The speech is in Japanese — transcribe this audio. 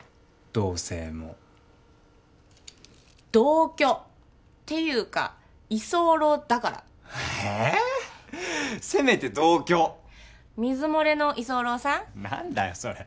同棲も同居！っていうか居候だからえっせめて同居水漏れの居候さん何だよそれ？